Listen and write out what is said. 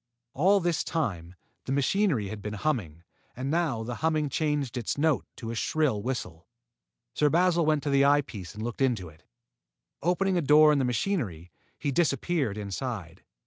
All this time, the machinery had been humming, and now the humming changed its note to a shrill whistle. Sir Basil went to the eye piece and looked into it. Opening a door in the machinery, he disappeared inside.